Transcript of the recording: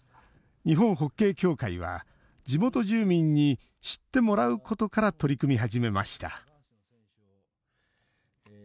日本ホッケー協会は地元住民に知ってもらうことから取り組み始めました